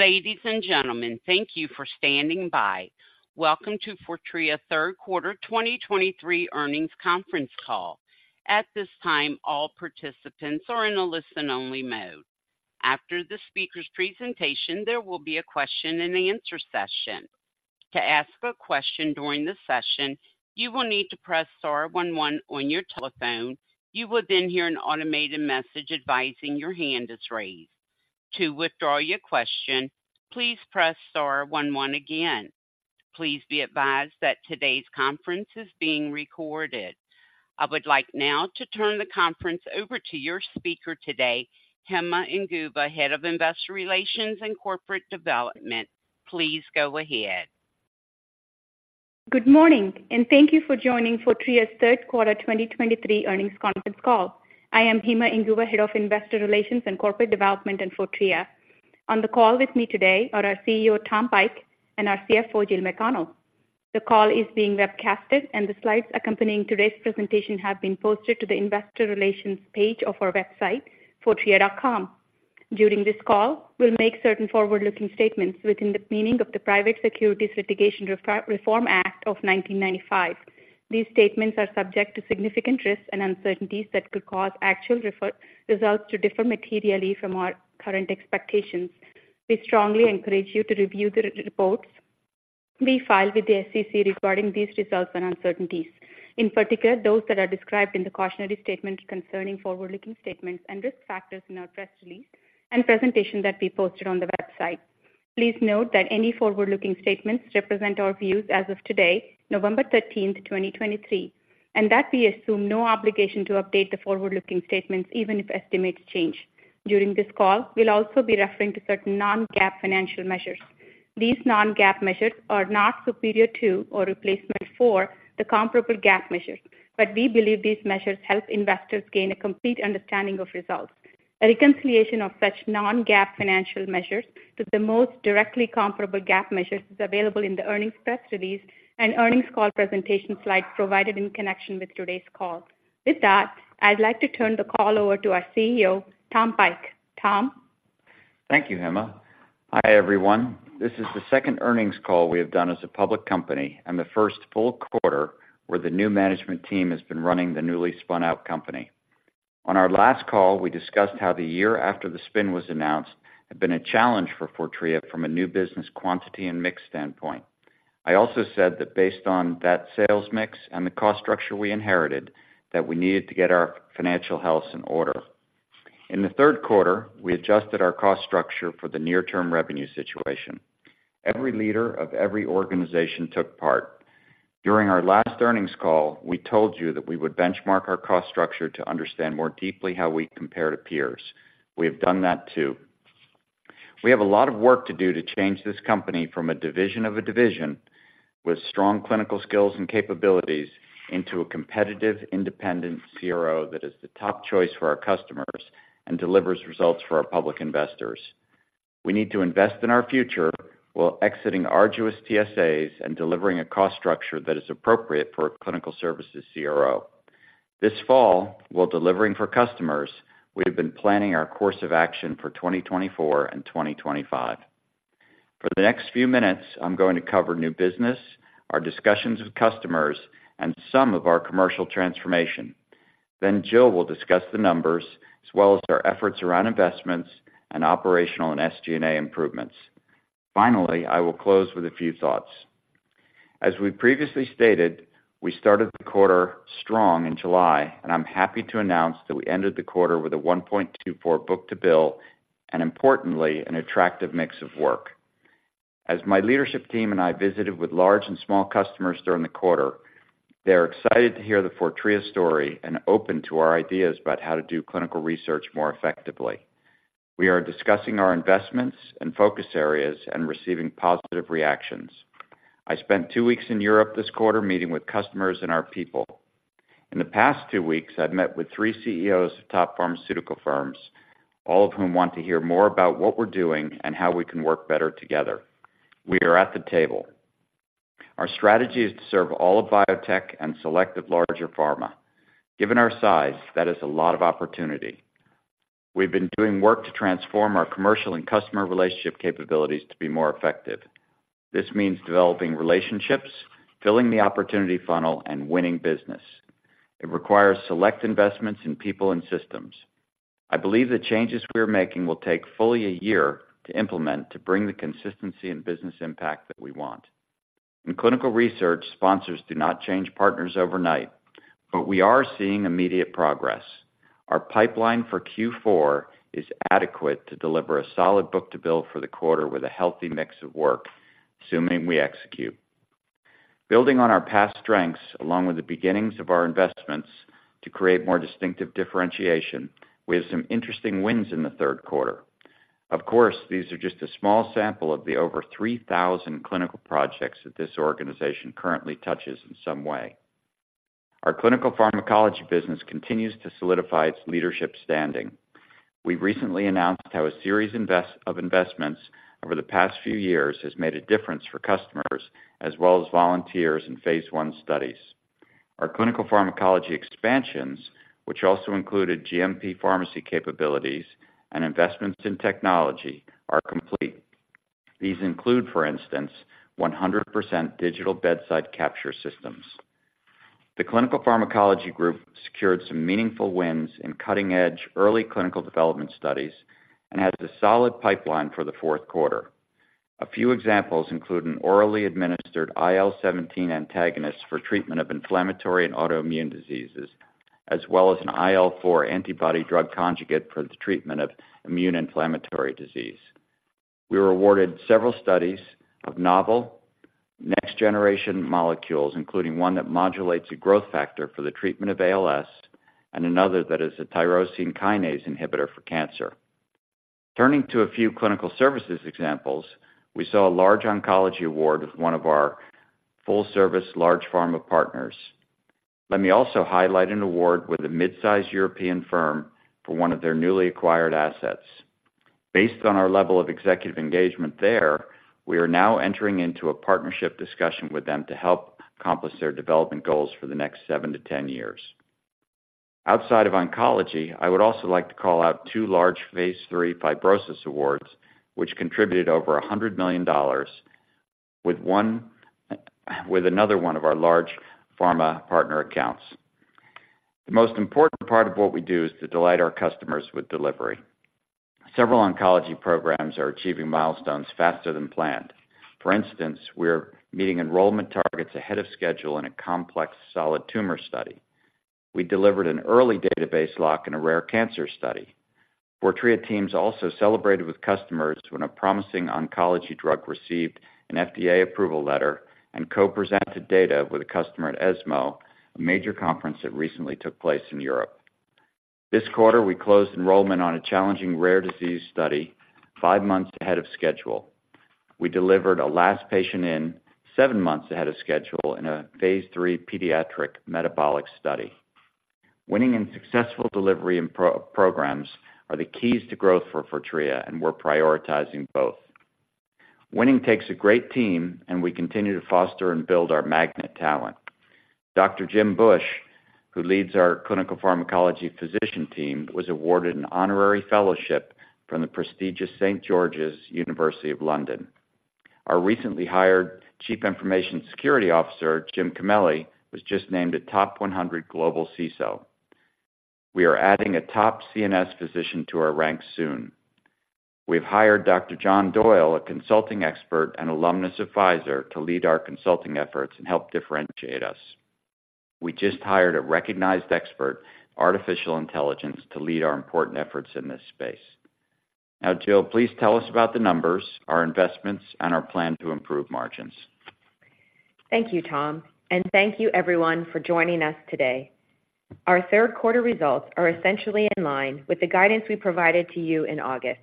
Ladies and gentlemen, thank you for standing by. Welcome to Fortrea Third Quarter 2023 Earnings Conference Call. At this time, all participants are in a listen-only mode. After the speaker's presentation, there will be a question-and-answer session. To ask a question during the session, you will need to press star one one on your telephone. You will then hear an automated message advising your hand is raised. To withdraw your question, please press star one one again. Please be advised that today's conference is being recorded. I would like now to turn the conference over to your speaker today, Hima Inguva, Head of Investor Relations and Corporate Development. Please go ahead. Good morning, and thank you for joining Fortrea's Third Quarter 2023 Earnings Conference Call. I am Hima Inguva, Head of Investor Relations and Corporate Development at Fortrea. On the call with me today are our CEO, Tom Pike, and our CFO, Jill McConnell. The call is being webcasted, and the slides accompanying today's presentation have been posted to the investor relations page of our website, fortrea.com. During this call, we'll make certain forward-looking statements within the meaning of the Private Securities Litigation Reform Act of 1995. These statements are subject to significant risks and uncertainties that could cause actual results to differ materially from our current expectations. We strongly encourage you to review the reports we filed with the SEC regarding these results and uncertainties, in particular, those that are described in the cautionary statement concerning forward-looking statements and risk factors in our press release and presentation that we posted on the website. Please note that any forward-looking statements represent our views as of today, November 13th, 2023, and that we assume no obligation to update the forward-looking statements, even if estimates change. During this call, we'll also be referring to certain non-GAAP financial measures. These non-GAAP measures are not superior to or replacement for the comparable GAAP measures, but we believe these measures help investors gain a complete understanding of results. A reconciliation of such non-GAAP financial measures to the most directly comparable GAAP measures is available in the earnings press release and earnings call presentation slide provided in connection with today's call. With that, I'd like to turn the call over to our CEO, Tom Pike. Tom? Thank you, Hima. Hi, everyone. This is the Second Earnings Call we have done as a public company and the first full quarter where the new management team has been running the newly spun-out company. On our last call, we discussed how the year after the spin was announced had been a challenge for Fortrea from a new business quantity and mix standpoint. I also said that based on that sales mix and the cost structure we inherited, that we needed to get our financial house in order. In the third quarter, we adjusted our cost structure for the near-term revenue situation. Every leader of every organization took part. During our last earnings call, we told you that we would benchmark our cost structure to understand more deeply how we compare to peers. We have done that, too. We have a lot of work to do to change this company from a division of a division with strong clinical skills and capabilities into a competitive, independent CRO that is the top choice for our customers and delivers results for our public investors. We need to invest in our future while exiting arduous TSAs and delivering a cost structure that is appropriate for a clinical services CRO. This fall, while delivering for customers, we have been planning our course of action for 2024 and 2025. For the next few minutes, I'm going to cover new business, our discussions with customers, and some of our commercial transformation. Then Jill will discuss the numbers, as well as our efforts around investments and operational and SG&A improvements. Finally, I will close with a few thoughts. As we previously stated, we started the quarter strong in July, and I'm happy to announce that we ended the quarter with a 1.24 book-to-bill, and importantly, an attractive mix of work. As my leadership team and I visited with large and small customers during the quarter, they are excited to hear the Fortrea story and open to our ideas about how to do clinical research more effectively. We are discussing our investments and focus areas and receiving positive reactions. I spent two weeks in Europe this quarter meeting with customers and our people. In the past two weeks, I've met with three CEOs of top pharmaceutical firms, all of whom want to hear more about what we're doing and how we can work better together. We are at the table. Our strategy is to serve all of biotech and selective larger pharma. Given our size, that is a lot of opportunity. We've been doing work to transform our commercial and customer relationship capabilities to be more effective. This means developing relationships, filling the opportunity funnel, and winning business. It requires select investments in people and systems. I believe the changes we are making will take fully a year to implement to bring the consistency and business impact that we want. In clinical research, sponsors do not change partners overnight, but we are seeing immediate progress. Our pipeline for Q4 is adequate to deliver a solid book-to-bill for the quarter with a healthy mix of work, assuming we execute. Building on our past strengths, along with the beginnings of our investments to create more distinctive differentiation, we have some interesting wins in the third quarter. Of course, these are just a small sample of the over 3,000 clinical projects that this organization currently touches in some way. Our clinical pharmacology business continues to solidify its leadership standing. We recently announced how a series of investments over the past few years has made a difference for customers as well as volunteers in phase I studies. Our clinical pharmacology expansions, which also included GMP pharmacy capabilities and investments in technology, are complete. These include, for instance, 100% digital bedside capture systems. The clinical pharmacology group secured some meaningful wins in cutting-edge early clinical development studies and has a solid pipeline for the fourth quarter. A few examples include an orally administered IL-17 antagonist for treatment of inflammatory and autoimmune diseases, as well as an IL-4 antibody drug conjugate for the treatment of immune inflammatory disease. We were awarded several studies of novel next-generation molecules, including one that modulates a growth factor for the treatment of ALS and another that is a tyrosine kinase inhibitor for cancer. Turning to a few clinical services examples, we saw a large oncology award with one of our full-service large pharma partners. Let me also highlight an award with a mid-size European firm for one of their newly acquired assets. Based on our level of executive engagement there, we are now entering into a partnership discussion with them to help accomplish their development goals for the next seven-10 years. Outside of oncology, I would also like to call out two large phase III fibrosis awards which contributed over $100 million, with another one of our large pharma partner accounts. The most important part of what we do is to delight our customers with delivery. Several oncology programs are achieving milestones faster than planned. For instance, we're meeting enrollment targets ahead of schedule in a complex solid tumor study. We delivered an early database lock in a rare cancer study. Fortrea teams also celebrated with customers when a promising oncology drug received an FDA approval letter and co-presented data with a customer at ESMO, a major conference that recently took place in Europe. This quarter, we closed enrollment on a challenging rare disease study five months ahead of schedule. We delivered a last patient in seven months ahead of schedule in a phase III pediatric metabolic study. Winning and successful delivery and pro- programs are the keys to growth for Fortrea, and we're prioritizing both. Winning takes a great team, and we continue to foster and build our magnet talent. Dr. Jim Bush, who leads our clinical pharmacology physician team, was awarded an honorary fellowship from the prestigious St. George's, University of London. Our recently hired Chief Information Security Officer, Jim Cameli, was just named a Top 100 Global CISO. We are adding a top CNS physician to our ranks soon. We've hired Dr. John Doyle, a consulting expert and alumnus advisor, to lead our consulting efforts and help differentiate us. We just hired a recognized expert, artificial intelligence, to lead our important efforts in this space. Now, Jill, please tell us about the numbers, our investments, and our plan to improve margins. Thank you, Tom, and thank you, everyone, for joining us today. Our third quarter results are essentially in line with the guidance we provided to you in August.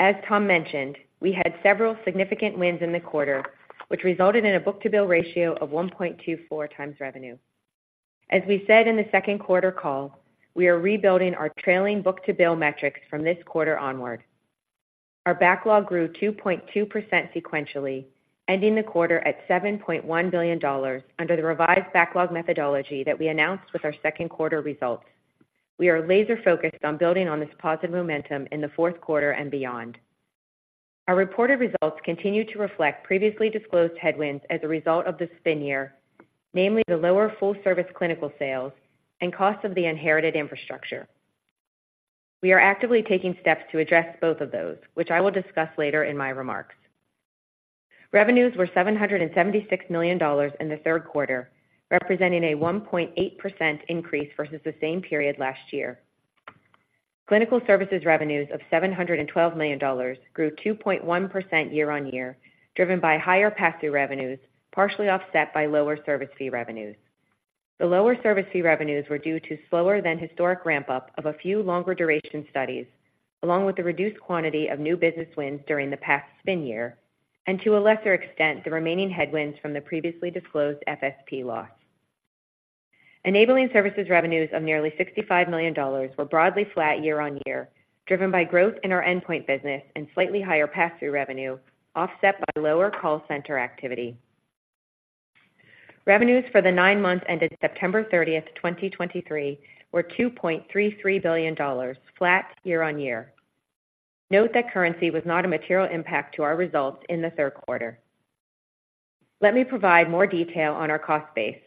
As Tom mentioned, we had several significant wins in the quarter, which resulted in a book-to-bill ratio of 1.24x revenue. As we said in the second quarter call, we are rebuilding our trailing book-to-bill metrics from this quarter onward. Our backlog grew 2.2% sequentially, ending the quarter at $7.1 billion under the revised backlog methodology that we announced with our second quarter results. We are laser-focused on building on this positive momentum in the fourth quarter and beyond. Our reported results continue to reflect previously disclosed headwinds as a result of the spin year, namely, the lower full service clinical sales and costs of the inherited infrastructure. We are actively taking steps to address both of those, which I will discuss later in my remarks. Revenues were $776 million in the third quarter, representing a 1.8% increase versus the same period last year. Clinical services revenues of $712 million grew 2.1% year-on-year, driven by higher pass-through revenues, partially offset by lower service fee revenues. The lower service fee revenues were due to slower than historic ramp-up of a few longer-duration studies, along with the reduced quantity of new business wins during the past spin year, and to a lesser extent, the remaining headwinds from the previously disclosed FSP loss. Enabling services revenues of nearly $65 million were broadly flat year-on-year, driven by growth in our endpoint business and slightly higher pass-through revenue, offset by lower call center activity. Revenues for the nine months ended September 30th 2023, were $2.33 billion, flat year-over-year. Note that currency was not a material impact to our results in the third quarter. Let me provide more detail on our cost base.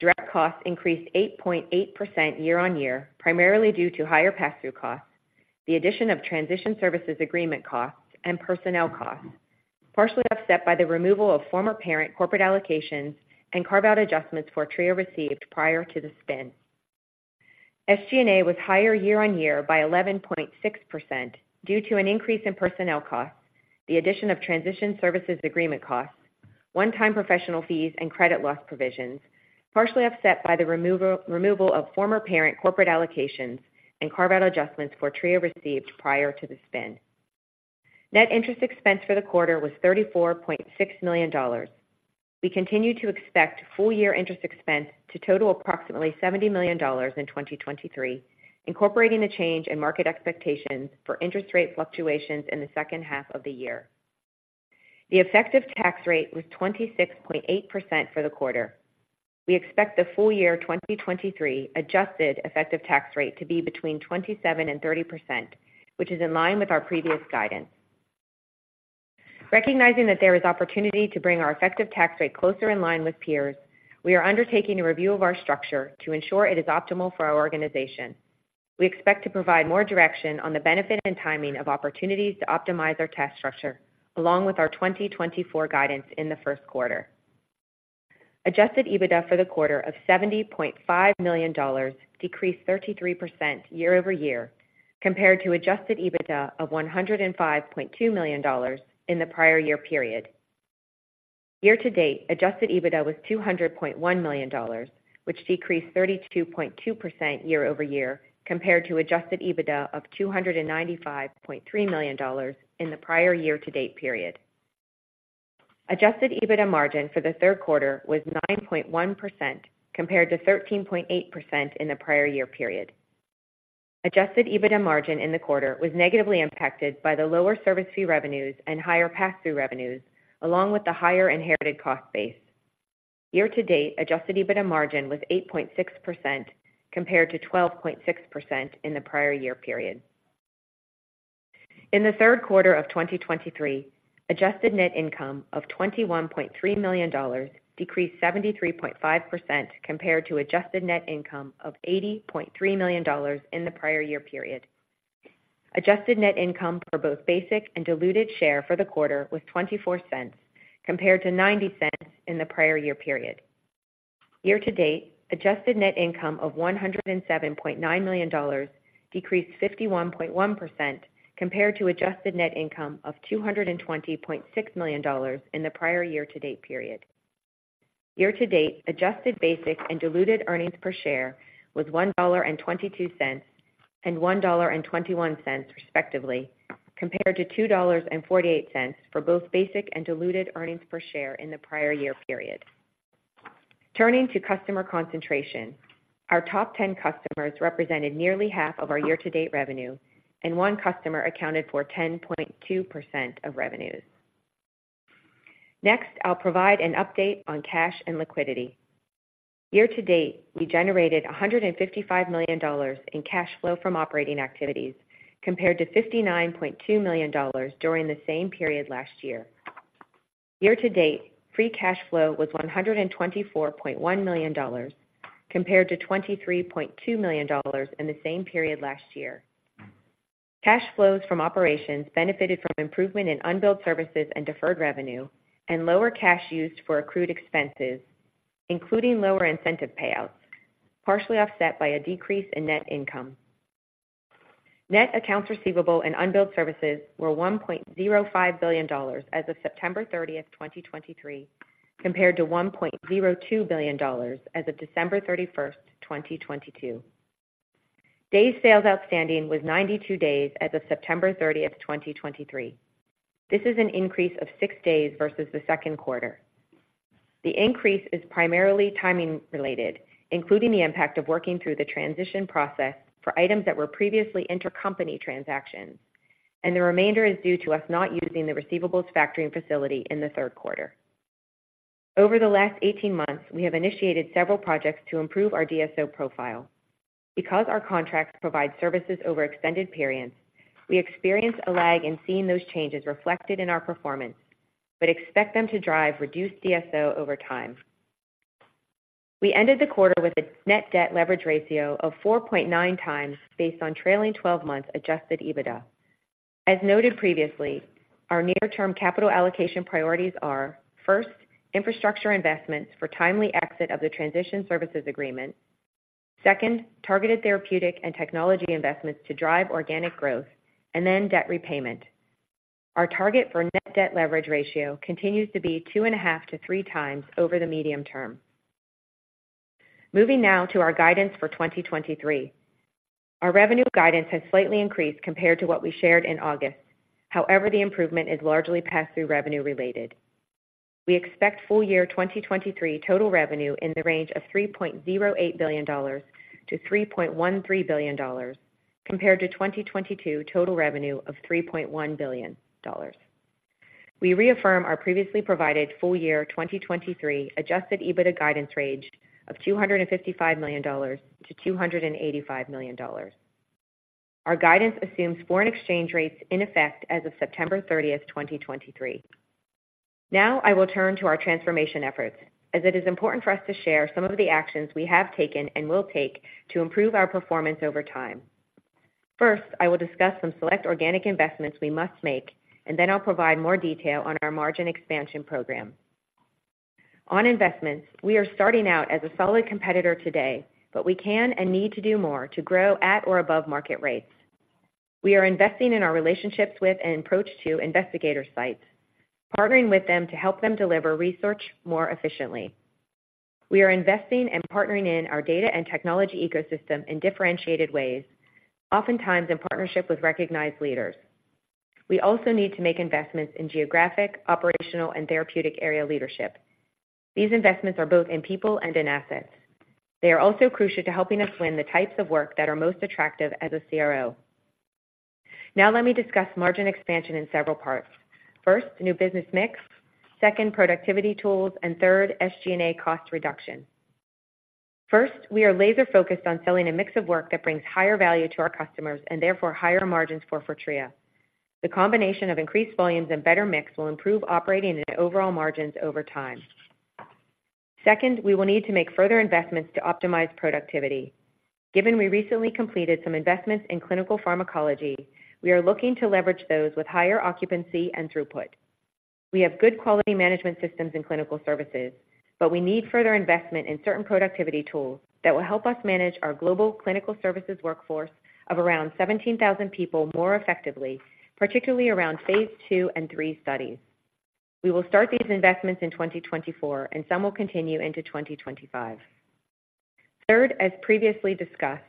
Direct costs increased 8.8% year-over-year, primarily due to higher pass-through costs, the addition of transition services agreement costs and personnel costs, partially offset by the removal of former parent corporate allocations and carve-out adjustments Fortrea received prior to the spin. SG&A was higher year-over-year by 11.6% due to an increase in personnel costs, the addition of transition services agreement costs, one-time professional fees, and credit loss provisions, partially offset by the removal of former parent corporate allocations and carve-out adjustments Fortrea received prior to the spin. Net interest expense for the quarter was $34.6 million. We continue to expect full-year interest expense to total approximately $70 million in 2023, incorporating the change in market expectations for interest rate fluctuations in the second half of the year. The effective tax rate was 26.8% for the quarter. We expect the full year 2023 adjusted effective tax rate to be between 27%-30%, which is in line with our previous guidance. Recognizing that there is opportunity to bring our effective tax rate closer in line with peers, we are undertaking a review of our structure to ensure it is optimal for our organization. We expect to provide more direction on the benefit and timing of opportunities to optimize our tax structure, along with our 2024 guidance in the first quarter. Adjusted EBITDA for the quarter of $70.5 million decreased 33% year-over-year, compared to adjusted EBITDA of $105.2 million in the prior year period. Year-to-date, adjusted EBITDA was $200.1 million, which decreased 32.2% year-over-year compared to adjusted EBITDA of $295.3 million in the prior year-to-date period. Adjusted EBITDA margin for the third quarter was 9.1%, compared to 13.8% in the prior year period. Adjusted EBITDA margin in the quarter was negatively impacted by the lower service fee revenues and higher pass-through revenues, along with the higher inherited cost base. Year-to-date, adjusted EBITDA margin was 8.6% compared to 12.6% in the prior year period. In the third quarter of 2023, adjusted net income of $21.3 million decreased 73.5% compared to adjusted net income of $80.3 million in the prior year period. Adjusted net income for both basic and diluted share for the quarter was $0.24, compared to $0.90 in the prior year period. Year-to-date, adjusted net income of $107.9 million decreased 51.1% compared to adjusted net income of $220.6 million in the prior year-to-date period. Year-to-date, adjusted basic and diluted earnings per share was $1.22, and $1.21, respectively, compared to $2.48 for both basic and diluted earnings per share in the prior year period. Turning to customer concentration. Our top 10 customers represented nearly half of our year-to-date revenue, and one customer accounted for 10.2% of revenues. Next, I'll provide an update on cash and liquidity. Year-to-date, we generated $155 million in cash flow from operating activities, compared to $59.2 million during the same period last year. Year-to-date, free cash flow was $124.1 million, compared to $23.2 million in the same period last year. Cash flows from operations benefited from improvement in unbilled services and deferred revenue, and lower cash used for accrued expenses, including lower incentive payouts, partially offset by a decrease in net income. Net accounts receivable and unbilled services were $1.05 billion as of September 30th 2023, compared to $1.02 billion as of December 31st 2022. Days Sales Outstanding was 92 days as of September 30th 2023. This is an increase of six days versus the second quarter. The increase is primarily timing related, including the impact of working through the transition process for items that were previously intercompany transactions, and the remainder is due to us not using the receivables factoring facility in the third quarter. Over the last 18 months, we have initiated several projects to improve our DSO profile. Because our contracts provide services over extended periods, we experience a lag in seeing those changes reflected in our performance, but expect them to drive reduced DSO over time. We ended the quarter with a net debt leverage ratio of 4.9x based on trailing 12-month adjusted EBITDA. As noted previously, our near-term capital allocation priorities are: first, infrastructure investments for timely exit of the transition services agreement; second, targeted therapeutic and technology investments to drive organic growth; and then debt repayment. Our target for net debt leverage ratio continues to be 2.5-3x over the medium term. Moving now to our guidance for 2023. Our revenue guidance has slightly increased compared to what we shared in August. However, the improvement is largely pass-through revenue related. We expect full year 2023 total revenue in the range of $3.08 billion-$3.13 billion, compared to 2022 total revenue of $3.1 billion. We reaffirm our previously provided full year 2023 adjusted EBITDA guidance range of $255 million-$285 million. Our guidance assumes foreign exchange rates in effect as of September 30th 2023. Now, I will turn to our transformation efforts, as it is important for us to share some of the actions we have taken and will take to improve our performance over time. First, I will discuss some select organic investments we must make, and then I'll provide more detail on our margin expansion program. On investments, we are starting out as a solid competitor today, but we can and need to do more to grow at or above market rates. We are investing in our relationships with and approach to investigator sites, partnering with them to help them deliver research more efficiently. We are investing and partnering in our data and technology ecosystem in differentiated ways, oftentimes in partnership with recognized leaders. We also need to make investments in geographic, operational, and therapeutic area leadership.... These investments are both in people and in assets. They are also crucial to helping us win the types of work that are most attractive as a CRO. Now let me discuss margin expansion in several parts. First, new business mix, second, productivity tools, and third, SG&A cost reduction. First, we are laser-focused on selling a mix of work that brings higher value to our customers and therefore higher margins for Fortrea. The combination of increased volumes and better mix will improve operating and overall margins over time. Second, we will need to make further investments to optimize productivity. Given we recently completed some investments in clinical pharmacology, we are looking to leverage those with higher occupancy and throughput. We have good quality management systems and clinical services, but we need further investment in certain productivity tools that will help us manage our global clinical services workforce of around 17,000 people more effectively, particularly around phase II and III studies. We will start these investments in 2024, and some will continue into 2025. Third, as previously discussed,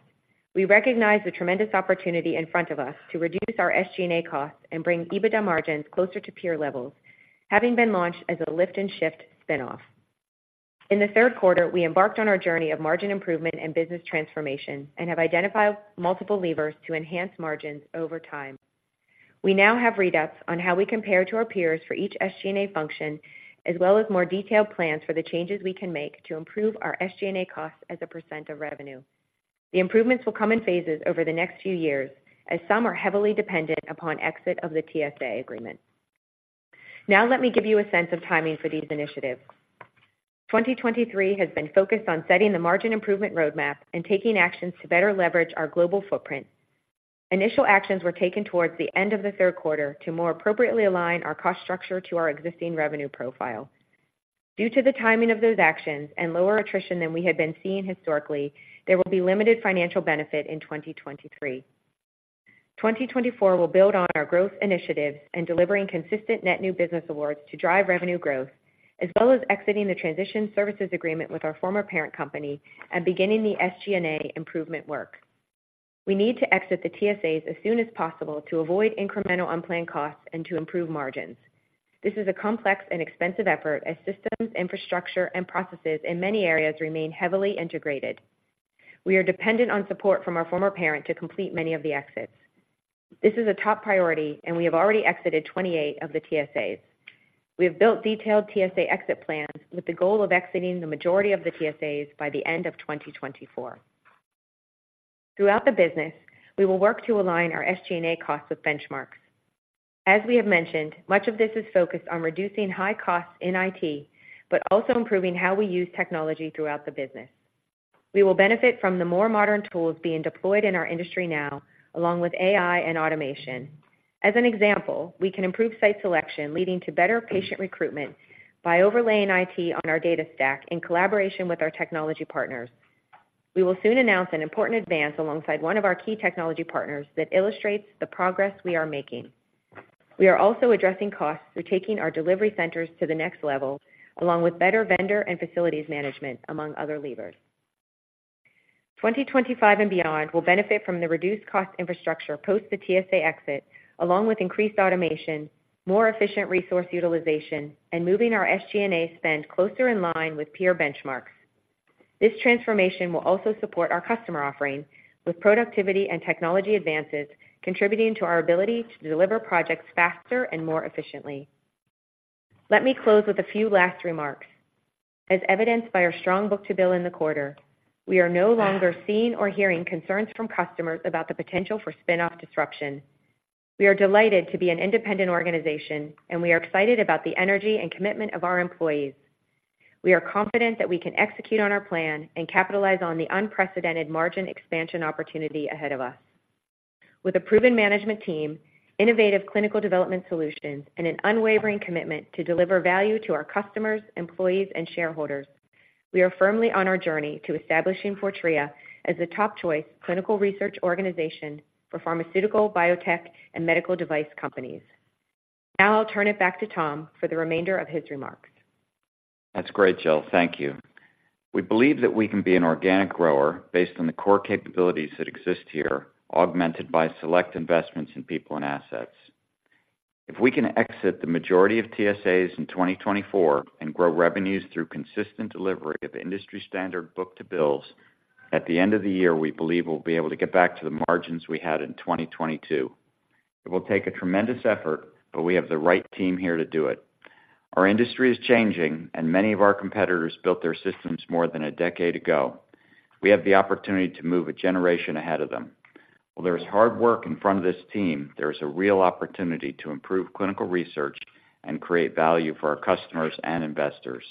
we recognize the tremendous opportunity in front of us to reduce our SG&A costs and bring EBITDA margins closer to peer levels, having been launched as a lift and shift spin-off. In the third quarter, we embarked on our journey of margin improvement and business transformation and have identified multiple levers to enhance margins over time. We now have readouts on how we compare to our peers for each SG&A function, as well as more detailed plans for the changes we can make to improve our SG&A costs as a percent of revenue. The improvements will come in phases over the next few years, as some are heavily dependent upon exit of the TSA agreement. Now, let me give you a sense of timing for these initiatives. 2023 has been focused on setting the margin improvement roadmap and taking actions to better leverage our global footprint. Initial actions were taken towards the end of the third quarter to more appropriately align our cost structure to our existing revenue profile. Due to the timing of those actions and lower attrition than we had been seeing historically, there will be limited financial benefit in 2023. 2024 will build on our growth initiatives and delivering consistent net new business awards to drive revenue growth, as well as exiting the transition services agreement with our former parent company and beginning the SG&A improvement work. We need to exit the TSAs as soon as possible to avoid incremental unplanned costs and to improve margins. This is a complex and expensive effort as systems, infrastructure and processes in many areas remain heavily integrated. We are dependent on support from our former parent to complete many of the exits. This is a top priority, and we have already exited 28 of the TSAs. We have built detailed TSA exit plans with the goal of exiting the majority of the TSAs by the end of 2024. Throughout the business, we will work to align our SG&A costs with benchmarks. As we have mentioned, much of this is focused on reducing high costs in IT, but also improving how we use technology throughout the business. We will benefit from the more modern tools being deployed in our industry now, along with AI and automation. As an example, we can improve site selection, leading to better patient recruitment by overlaying IT on our data stack in collaboration with our technology partners. We will soon announce an important advance alongside one of our key technology partners that illustrates the progress we are making. We are also addressing costs through taking our delivery centers to the next level, along with better vendor and facilities management, among other levers. 2025 and beyond will benefit from the reduced cost infrastructure post the TSA exit, along with increased automation, more efficient resource utilization, and moving our SG&A spend closer in line with peer benchmarks. This transformation will also support our customer offerings, with productivity and technology advances, contributing to our ability to deliver projects faster and more efficiently. Let me close with a few last remarks. As evidenced by our strong book-to-bill in the quarter, we are no longer seeing or hearing concerns from customers about the potential for spin-off disruption. We are delighted to be an independent organization, and we are excited about the energy and commitment of our employees. We are confident that we can execute on our plan and capitalize on the unprecedented margin expansion opportunity ahead of us. With a proven management team, innovative clinical development solutions, and an unwavering commitment to deliver value to our customers, employees, and shareholders, we are firmly on our journey to establishing Fortrea as a top-choice clinical research organization for pharmaceutical, biotech, and medical device companies. Now I'll turn it back to Tom for the remainder of his remarks. That's great, Jill. Thank you. We believe that we can be an organic grower based on the core capabilities that exist here, augmented by select investments in people and assets. If we can exit the majority of TSAs in 2024 and grow revenues through consistent delivery of industry-standard book-to-bills, at the end of the year, we believe we'll be able to get back to the margins we had in 2022. It will take a tremendous effort, but we have the right team here to do it. Our industry is changing, and many of our competitors built their systems more than a decade ago. We have the opportunity to move a generation ahead of them. While there is hard work in front of this team, there is a real opportunity to improve clinical research and create value for our customers and investors.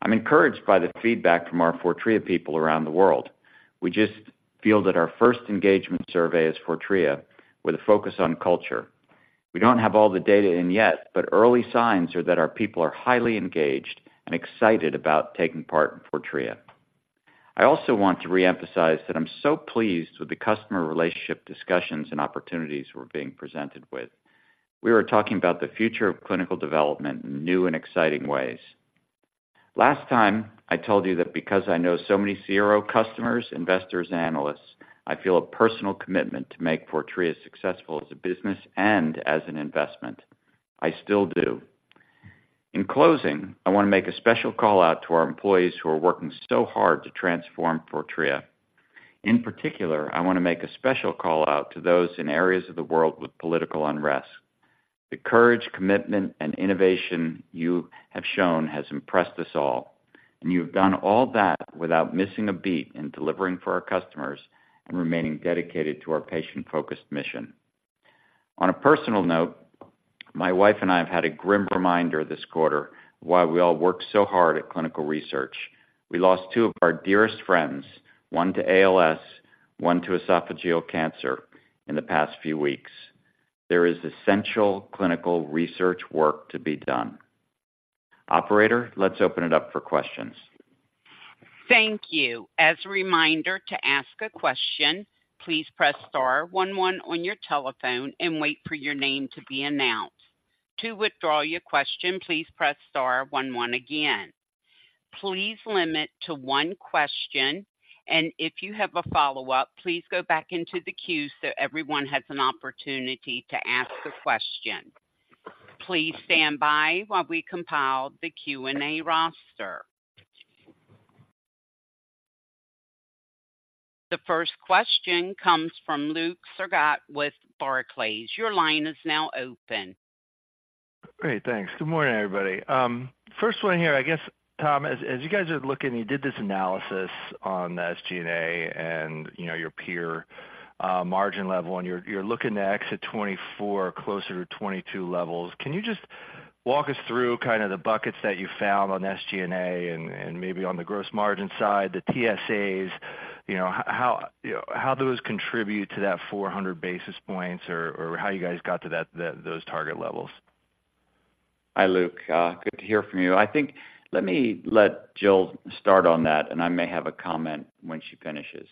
I'm encouraged by the feedback from our Fortrea people around the world. We just fielded our first engagement survey as Fortrea with a focus on culture. We don't have all the data in yet, but early signs are that our people are highly engaged and excited about taking part in Fortrea. I also want to reemphasize that I'm so pleased with the customer relationship discussions and opportunities we're being presented with. We are talking about the future of clinical development in new and exciting ways. Last time, I told you that because I know so many CRO customers, investors, analysts, I feel a personal commitment to make Fortrea successful as a business and as an investment. I still do. In closing, I want to make a special call out to our employees who are working so hard to transform Fortrea. In particular, I want to make a special call out to those in areas of the world with political unrest. The courage, commitment, and innovation you have shown has impressed us all, and you've done all that without missing a beat in delivering for our customers and remaining dedicated to our patient-focused mission. On a personal note, my wife and I have had a grim reminder this quarter of why we all work so hard at clinical research. We lost two of our dearest friends, one to ALS, one to esophageal cancer, in the past few weeks. There is essential clinical research work to be done. Operator, let's open it up for questions. Thank you. As a reminder, to ask a question, please press star one one on your telephone and wait for your name to be announced. To withdraw your question, please press star one one again. Please limit to one question, and if you have a follow-up, please go back into the queue so everyone has an opportunity to ask a question. Please stand by while we compile the Q&A roster. The first question comes from Luke Sergott with Barclays. Your line is now open. Great, thanks. Good morning, everybody. First one here, I guess, Tom, as you guys are looking, you did this analysis on the SG&A and, you know, your peer margin level, and you're looking to exit 2024 closer to 2022 levels. Can you just walk us through kind of the buckets that you found on SG&A and maybe on the gross margin side, the TSAs, you know, how those contribute to that 400 basis points or how you guys got to those target levels? Hi, Luke. Good to hear from you. I think, let me let Jill start on that, and I may have a comment when she finishes.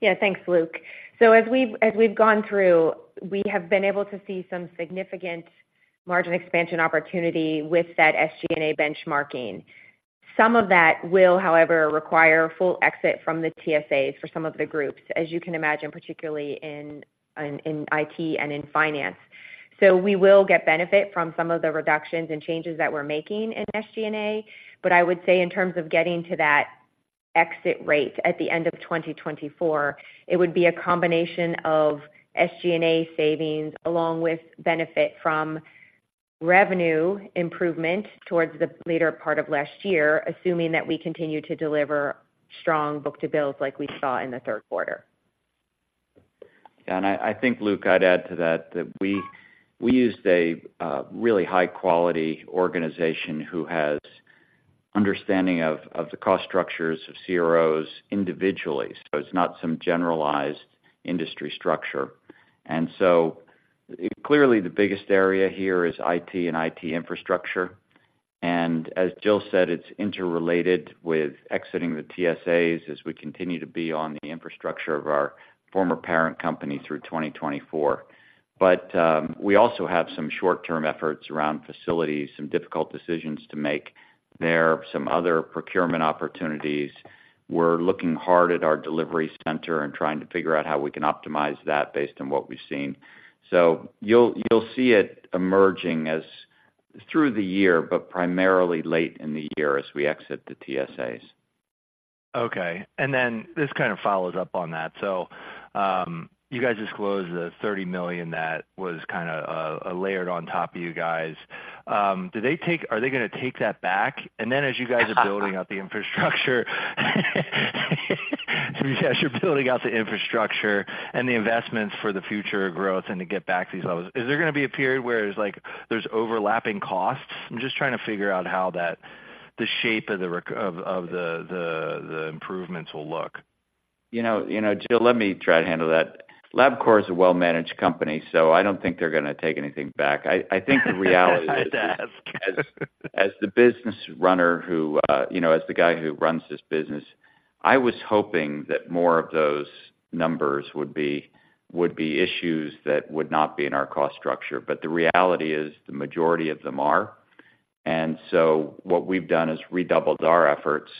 Yeah, thanks, Luke. So as we've gone through, we have been able to see some significant margin expansion opportunity with that SG&A benchmarking. Some of that will, however, require full exit from the TSAs for some of the groups, as you can imagine, particularly in IT and in finance. So we will get benefit from some of the reductions and changes that we're making in SG&A. But I would say in terms of getting to that exit rate at the end of 2024, it would be a combination of SG&A savings, along with benefit from revenue improvement towards the later part of last year, assuming that we continue to deliver strong book-to-bill like we saw in the third quarter. Yeah, and I, I think, Luke, I'd add to that, that we, we used a really high-quality organization who has understanding of, of the cost structures of CROs individually, so it's not some generalized industry structure. And so clearly, the biggest area here is IT and IT infrastructure. And as Jill said, it's interrelated with exiting the TSAs as we continue to be on the infrastructure of our former parent company through 2024. But we also have some short-term efforts around facilities, some difficult decisions to make there, some other procurement opportunities. We're looking hard at our delivery center and trying to figure out how we can optimize that based on what we've seen. So you'll, you'll see it emerging as through the year, but primarily late in the year as we exit the TSAs. Okay. And then this kind of follows up on that. So, you guys disclosed the $30 million that was kind of layered on top of you guys. Are they going to take that back? And then as you guys are building out the infrastructure, so as you're building out the infrastructure and the investments for the future growth and to get back to these levels, is there going to be a period where it's like there's overlapping costs? I'm just trying to figure out how that, the shape of the improvements, will look. You know, you know, Jill, let me try to handle that. Labcorp is a well-managed company, so I don't think they're going to take anything back. I, I think the reality- I had to ask. As the business runner who, you know, as the guy who runs this business, I was hoping that more of those numbers would be issues that would not be in our cost structure, but the reality is the majority of them are. And so what we've done is redoubled our efforts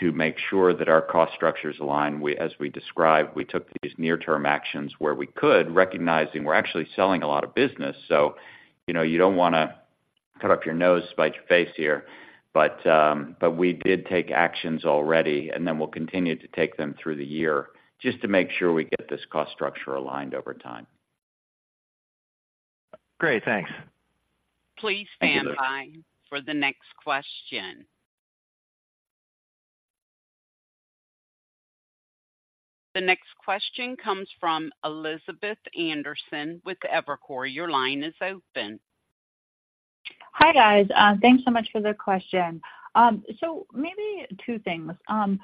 to make sure that our cost structures align. As we described, we took these near-term actions where we could, recognizing we're actually selling a lot of business. So, you know, you don't want to cut off your nose to spite your face here. But we did take actions already, and then we'll continue to take them through the year just to make sure we get this cost structure aligned over time. Great. Thanks. Please stand by for the next question. The next question comes from Elizabeth Anderson with Evercore. Your line is open. Hi, guys. Thanks so much for the question. So maybe two things. One,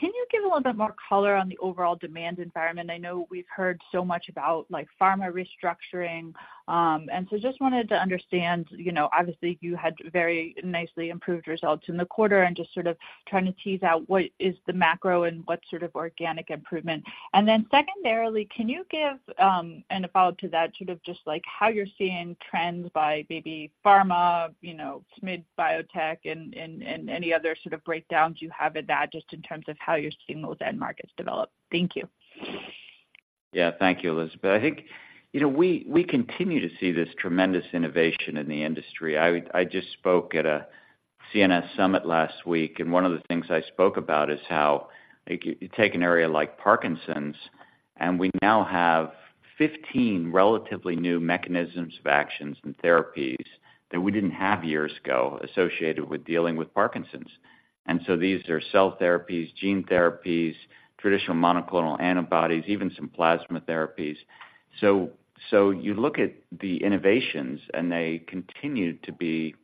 can you give a little bit more color on the overall demand environment? I know we've heard so much about like pharma restructuring, and so just wanted to understand, you know, obviously, you had very nicely improved results in the quarter and just sort of trying to tease out what is the macro and what sort of organic improvement. And then secondarily, can you give, and a follow-up to that, sort of just like how you're seeing trends by maybe pharma, you know, mid-biotech and, and, and any other sort of breakdowns you have in that, just in terms of how you're seeing those end markets develop? Thank you. Yeah, thank you, Elizabeth. I think, you know, we continue to see this tremendous innovation in the industry. I just spoke at a CNS Summit last week, and one of the things I spoke about is how, like, you take an area like Parkinson's, and we now have 15 relatively new mechanisms of actions and therapies that we didn't have years ago associated with dealing with Parkinson's. And so these are cell therapies, gene therapies, traditional monoclonal antibodies, even some plasma therapies. So you look at the innovations, and they continue to be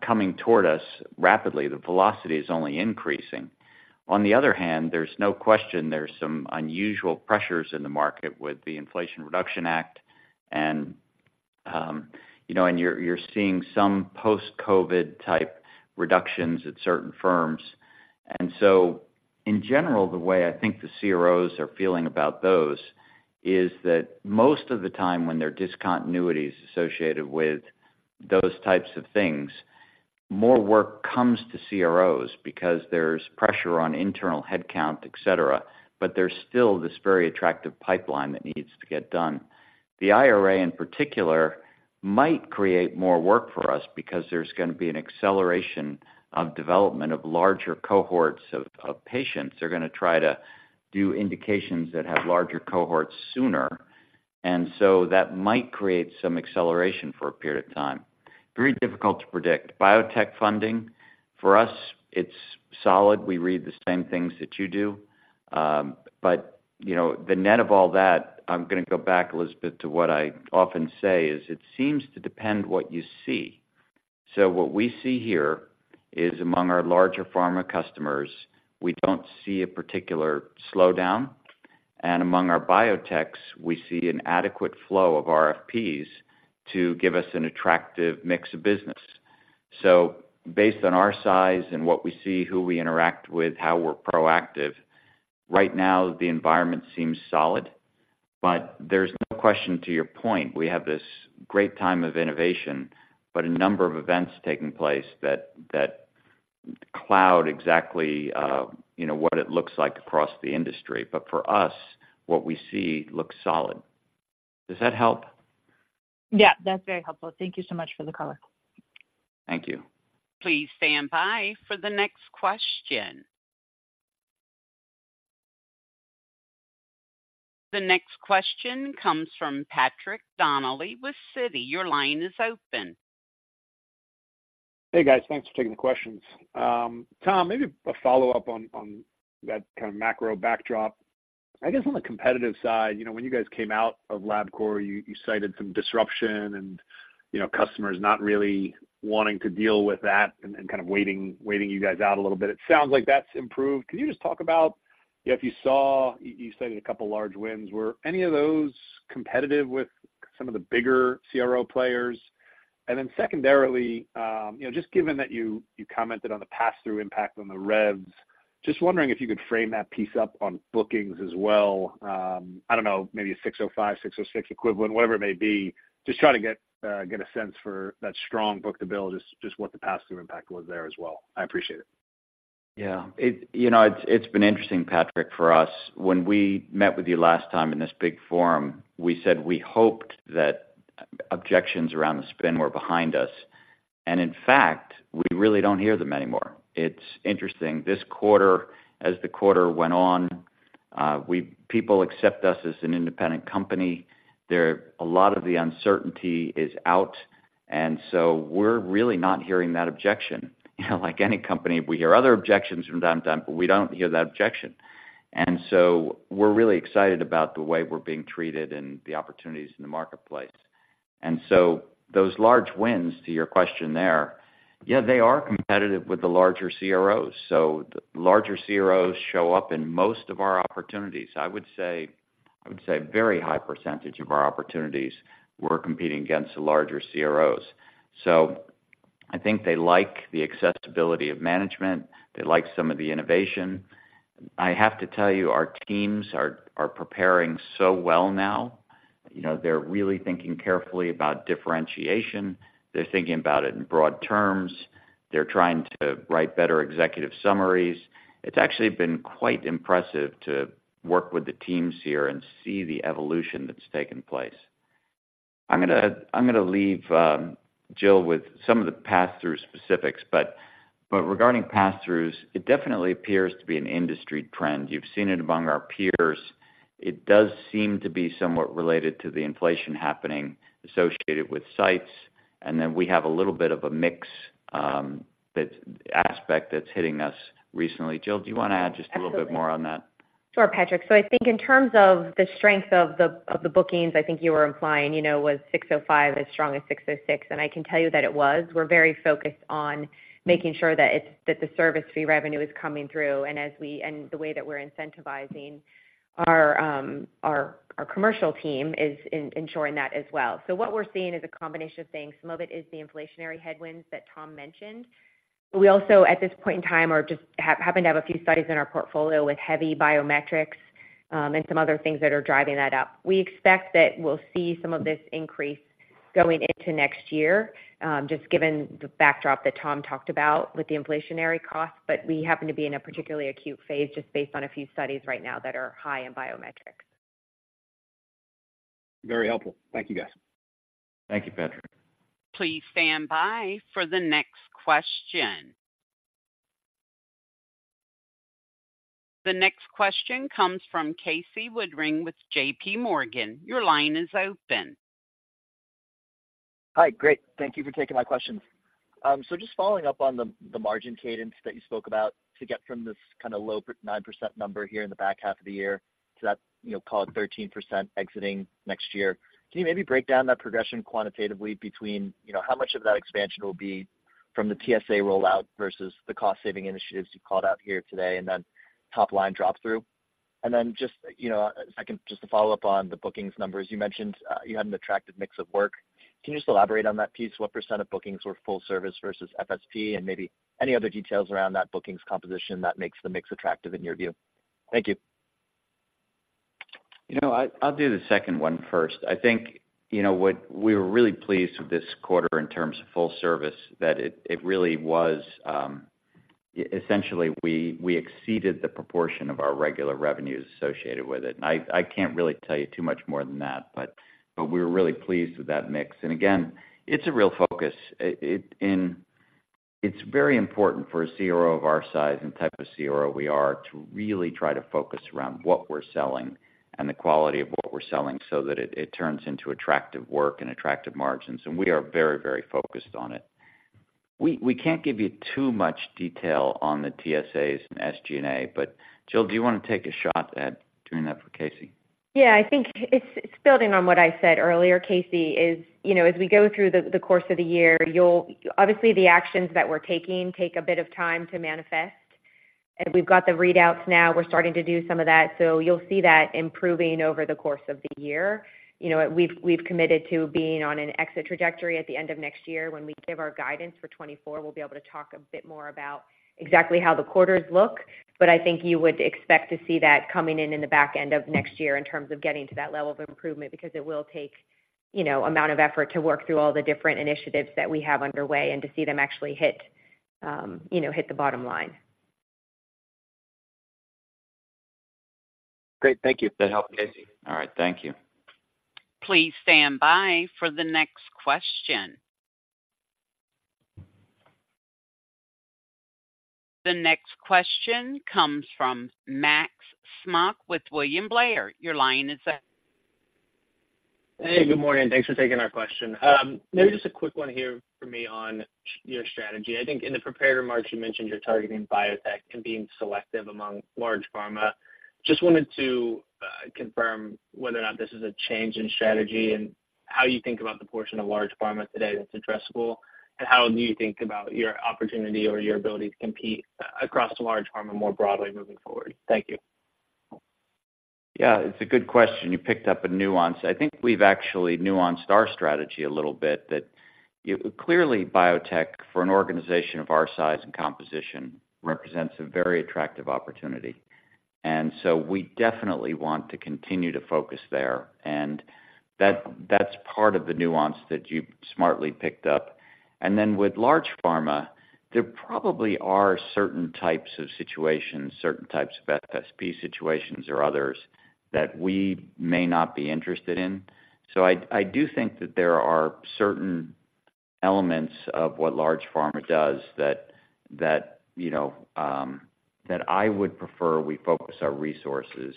coming toward us rapidly. The velocity is only increasing. On the other hand, there's no question there's some unusual pressures in the market with the Inflation Reduction Act, and you know, and you're seeing some post-COVID type reductions at certain firms. So, in general, the way I think the CROs are feeling about those is that most of the time when there are discontinuities associated with those types of things, more work comes to CROs because there's pressure on internal headcount, et cetera. But there's still this very attractive pipeline that needs to get done. The IRA, in particular, might create more work for us because there's gonna be an acceleration of development of larger cohorts of, of patients. They're gonna try to do indications that have larger cohorts sooner, and so that might create some acceleration for a period of time. Very difficult to predict. Biotech funding, for us, it's solid. We read the same things that you do. But, you know, the net of all that, I'm gonna go back, Elizabeth, to what I often say, is it seems to depend what you see. So what we see here is among our larger pharma customers, we don't see a particular slowdown, and among our biotechs, we see an adequate flow of RFPs to give us an attractive mix of business. So based on our size and what we see, who we interact with, how we're proactive, right now, the environment seems solid. But there's no question, to your point, we have this great time of innovation, but a number of events taking place that cloud exactly, you know, what it looks like across the industry. But for us, what we see looks solid. Does that help? Yeah, that's very helpful. Thank you so much for the color. Thank you. Please stand by for the next question. The next question comes from Patrick Donnelly with Citi. Your line is open. Hey, guys. Thanks for taking the questions. Tom, maybe a follow-up on that kind of macro backdrop. I guess on the competitive side, you know, when you guys came out of Labcorp, you cited some disruption and, you know, customers not really wanting to deal with that and kind of waiting you guys out a little bit. It sounds like that's improved. Can you just talk about if you saw—you cited a couple large wins. Were any of those competitive with some of the bigger CRO players? And then secondarily, you know, just given that you commented on the pass-through impact on the revs, just wondering if you could frame that piece up on bookings as well. I don't know, maybe a 605, 606 equivalent, whatever it may be. Just try to get a sense for that strong book-to-bill, just, just what the pass-through impact was there as well. I appreciate it. Yeah, you know, it's been interesting, Patrick, for us. When we met with you last time in this big forum, we said we hoped that objections around the spin were behind us, and in fact, we really don't hear them anymore. It's interesting. This quarter, as the quarter went on, people accept us as an independent company. A lot of the uncertainty is out, and so we're really not hearing that objection. You know, like any company, we hear other objections from time to time, but we don't hear that objection. And so we're really excited about the way we're being treated and the opportunities in the marketplace. And so those large wins, to your question there, yeah, they are competitive with the larger CROs. So the larger CROs show up in most of our opportunities. I would say very high percentage of our opportunities, we're competing against the larger CROs. So I think they like the accessibility of management. They like some of the innovation. I have to tell you, our teams are preparing so well now. You know, they're really thinking carefully about differentiation. They're thinking about it in broad terms. They're trying to write better executive summaries. It's actually been quite impressive to work with the teams here and see the evolution that's taken place. I'm gonna leave Jill with some of the pass-through specifics, but regarding pass-throughs, it definitely appears to be an industry trend. You've seen it among our peers. It does seem to be somewhat related to the inflation happening associated with sites, and then we have a little bit of a mix that aspect that's hitting us recently. Jill, do you want to add just a little bit more on that? Sure, Patrick. So I think in terms of the strength of the, of the bookings, I think you were implying, you know, was 605 as strong as 606, and I can tell you that it was. We're very focused on making sure that it's that the service fee revenue is coming through, and as we and the way that we're incentivizing our, our, our commercial team is in ensuring that as well. So what we're seeing is a combination of things. Some of it is the inflationary headwinds that Tom mentioned. We also, at this point in time, are just happen to have a few studies in our portfolio with heavy biometrics, and some other things that are driving that up. We expect that we'll see some of this increase. going into next year, just given the backdrop that Tom talked about with the inflationary costs, but we happen to be in a particularly acute phase, just based on a few studies right now that are high in biometrics. Very helpful. Thank you, guys. Thank you, Patrick. Please stand by for the next question. The next question comes from Casey Woodring with JPMorgan. Your line is open. Hi, great. Thank you for taking my questions. So just following up on the margin cadence that you spoke about to get from this kind of low 9% number here in the back half of the year to that, you know, called 13% exiting next year. Can you maybe break down that progression quantitatively between, you know, how much of that expansion will be from the TSA rollout versus the cost-saving initiatives you called out here today, and then top line drop-through? And then just, you know, if I can, just to follow up on the bookings numbers, you mentioned you had an attractive mix of work. Can you just elaborate on that piece? What percent of bookings were full-service versus FSP, and maybe any other details around that bookings composition that makes the mix attractive in your view? Thank you. You know, I, I'll do the second one first. I think, you know, what we were really pleased with this quarter in terms of full-service, that it really was, essentially, we exceeded the proportion of our regular revenues associated with it. I can't really tell you too much more than that, but we were really pleased with that mix. And again, it's a real focus. It, and it's very important for a CRO of our size and type of CRO we are, to really try to focus around what we're selling and the quality of what we're selling so that it turns into attractive work and attractive margins, and we are very, very focused on it. We can't give you too much detail on the TSAs and SG&A, but Jill, do you want to take a shot at doing that for Casey? Yeah, I think it's, it's building on what I said earlier, Casey, is, you know, as we go through the, the course of the year, you'll, obviously the actions that we're taking take a bit of time to manifest. And we've got the readouts now, we're starting to do some of that, so you'll see that improving over the course of the year. You know, we've, we've committed to being on an exit trajectory at the end of next year. When we give our guidance for 2024, we'll be able to talk a bit more about exactly how the quarters look, but I think you would expect to see that coming in in the back end of next year in terms of getting to that level of improvement, because it will take, you know, amount of effort to work through all the different initiatives that we have underway and to see them actually hit, you know, hit the bottom line. Great. Thank you for the help. All right. Thank you. Please stand by for the next question. The next question comes from Max Smock with William Blair. Your line is open. Hey, good morning. Thanks for taking our question. Maybe just a quick one here for me on your strategy. I think in the prepared remarks, you mentioned you're targeting biotech and being selective among large pharma. Just wanted to confirm whether or not this is a change in strategy and how you think about the portion of large pharma today that's addressable, and how do you think about your opportunity or your ability to compete across large pharma more broadly moving forward? Thank you. Yeah, it's a good question. You picked up a nuance. I think we've actually nuanced our strategy a little bit, that, clearly, biotech, for an organization of our size and composition, represents a very attractive opportunity. And so we definitely want to continue to focus there, and that, that's part of the nuance that you smartly picked up. And then with large pharma, there probably are certain types of situations, certain types of FSP situations or others, that we may not be interested in. So I, I do think that there are certain elements of what large pharma does that, that, you know, that I would prefer we focus our resources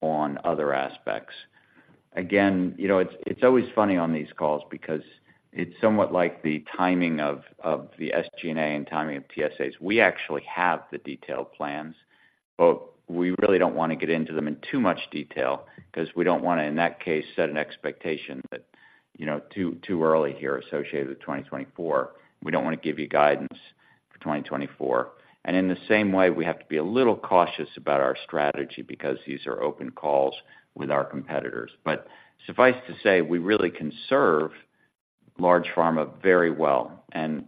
on other aspects. Again, you know, it's, it's always funny on these calls because it's somewhat like the timing of, of the SG&A and timing of TSAs. We actually have the detailed plans, but we really don't want to get into them in too much detail because we don't want to, in that case, set an expectation that, you know, too, too early here associated with 2024. We don't want to give you guidance for 2024. In the same way, we have to be a little cautious about our strategy because these are open calls with our competitors. Suffice to say, we really can serve large pharma very well, and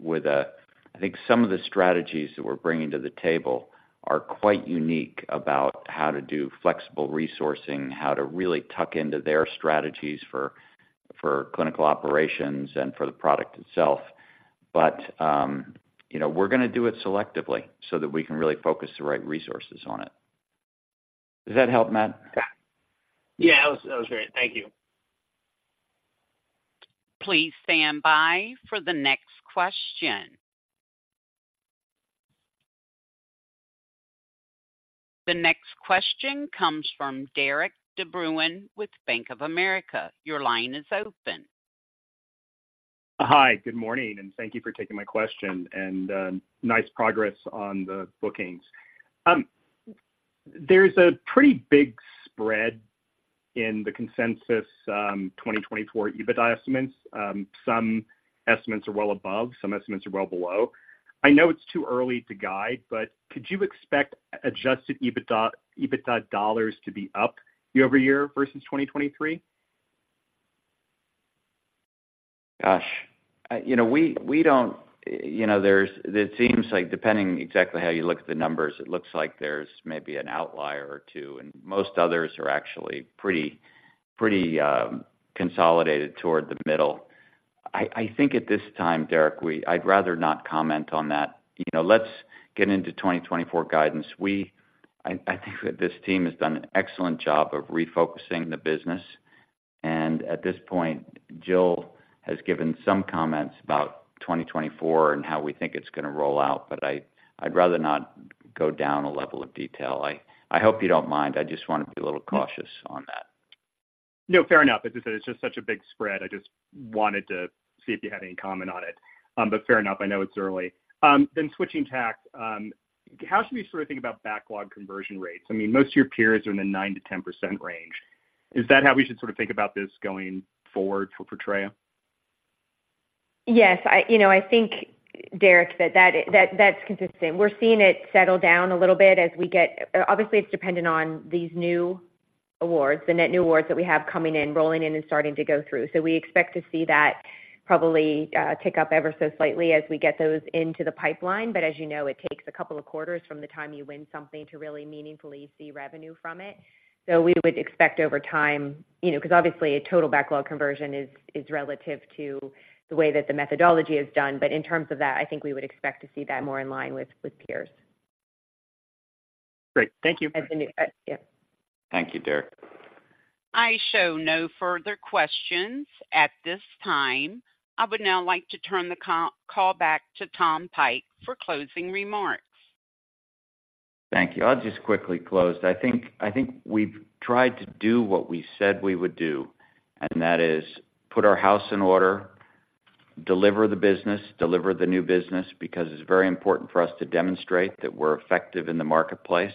with a, I think some of the strategies that we're bringing to the table are quite unique about how to do flexible resourcing, how to really tuck into their strategies for clinical operations and for the product itself. But you know, we're gonna do it selectively so that we can really focus the right resources on it. Does that help, Max? Yeah. Yeah, that was, that was great. Thank you. Please stand by for the next question. The next question comes from Derik De Bruin with Bank of America. Your line is open. Hi, good morning, and thank you for taking my question, and nice progress on the bookings. There's a pretty big spread in the consensus, 2024 EBITDA estimates. Some estimates are well above, some estimates are well below. I know it's too early to guide, but could you expect adjusted EBITDA, EBITDA dollars to be up year-over-year versus 2023? .Gosh! I, you know, we, we don't, you know, there's it seems like depending exactly how you look at the numbers, it looks like there's maybe an outlier or two, and most others are actually pretty, pretty, consolidated toward the middle. I, I think at this time, Derik, we, I'd rather not comment on that. You know, let's get into 2024 guidance. We, I, I think that this team has done an excellent job of refocusing the business, and at this point, Jill has given some comments about 2024 and how we think it's gonna roll out, but I, I'd rather not go down a level of detail. I, I hope you don't mind. I just wanna be a little cautious on that. No, fair enough. As I said, it's just such a big spread. I just wanted to see if you had any comment on it. But fair enough. I know it's early. Then switching tack, how should we sort of think about backlog conversion rates? I mean, most of your peers are in the 9%-10% range. Is that how we should sort of think about this going forward for Fortrea? Yes, you know, I think, Derik, that that's consistent. We're seeing it settle down a little bit as we get. Obviously, it's dependent on these new awards, the net new awards that we have coming in, rolling in and starting to go through. So we expect to see that probably tick up ever so slightly as we get those into the pipeline. But as you know, it takes a couple of quarters from the time you win something to really meaningfully see revenue from it. So we would expect over time, you know, 'cause obviously, a total backlog conversion is relative to the way that the methodology is done. But in terms of that, I think we would expect to see that more in line with peers. Great. Thank you. As the new, yeah. Thank you, Derik. I show no further questions at this time. I would now like to turn the call back to Tom Pike for closing remarks. Thank you. I'll just quickly close. I think, I think we've tried to do what we said we would do, and that is put our house in order, deliver the business, deliver the new business, because it's very important for us to demonstrate that we're effective in the marketplace,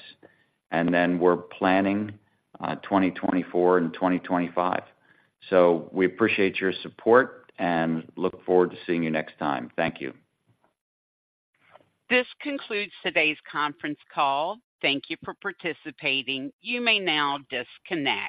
and then we're planning 2024 and 2025. So we appreciate your support and look forward to seeing you next time. Thank you. This concludes today's Conference call. Thank you for participating. You may now disconnect.